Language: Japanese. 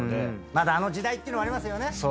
あの時代っていうのありますよね。